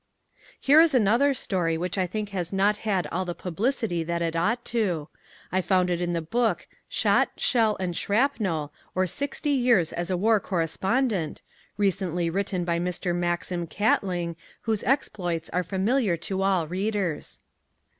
Here is another story which I think has not had all the publicity that it ought to. I found it in the book "Shot, Shell and Shrapnell or Sixty Years as a War Correspondent," recently written by Mr. Maxim Catling whose exploits are familiar to all readers.